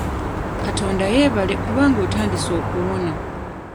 Katonda yeebale kubanga otandise okuwona.